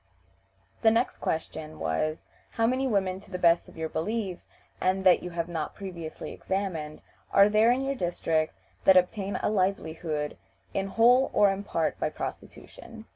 The next question was, "How many women, to the best of your belief, and that you have not previously examined, are there in your district that obtain a livelihood in whole or in part by prostitution?"